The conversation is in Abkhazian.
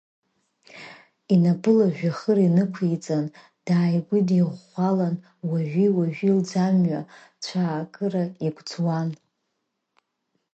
Инапы лыжәҩахыр инықәиҵан, дааигәыдирӷәӷәалан, уажәи-уажәи лӡамҩа цәаакыра игәӡуан.